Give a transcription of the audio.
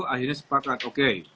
akhirnya sepakat oke